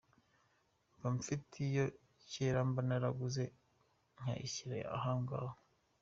Mba mfite iya cyera mba naraguze nkayishyira ahongaho.